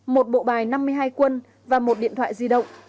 một bộ bài năm mươi hai quân và một điện thoại di động